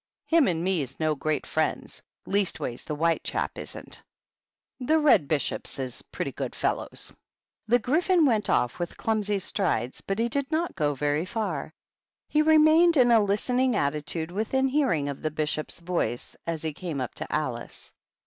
Him and me's no great friends; leastways the White chap isn't. The Red Bishops is pretty good fellows." 16* 186 THE BISHOPS. The Gryphon went off with clumsy strides, but he did not go very far ; he remained in a listen ing attitude within hearing of the Bishop's voice as he came up to Alice.